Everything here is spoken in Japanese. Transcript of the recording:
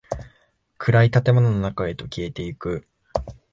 暗い建物の中へと消えていく。